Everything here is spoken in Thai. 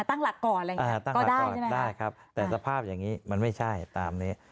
ตั้งหลักก่อนอะไรอย่างนี้ตั้งหลักก่อนได้ครับแต่สภาพอย่างนี้มันไม่ใช่ตามนี้